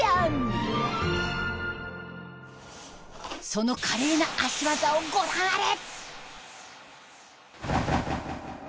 その華麗な足技をご覧あれ！